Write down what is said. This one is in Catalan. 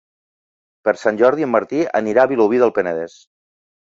Per Sant Jordi en Martí anirà a Vilobí del Penedès.